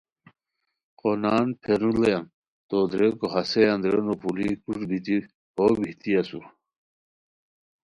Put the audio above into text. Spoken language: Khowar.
قونان پھیروڑیان تو دریکو ہسے ہے اندرینو پولوئے کروݯ بیتی ہو بہتی اسور